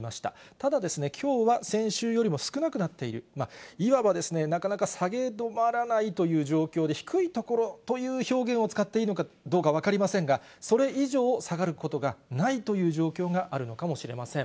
ただ、きょうは先週よりも少なくなっている、いわば、なかなか下げ止まらないという状況で、低いところという表現を使っていいのかどうか分かりませんが、それ以上下がることがないという状況があるのかもしれません。